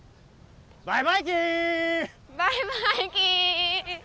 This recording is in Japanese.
バイバイキン！